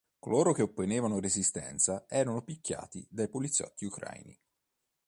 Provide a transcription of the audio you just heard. Coloro che opponevano resistenza erano picchiati dai poliziotti ucraini.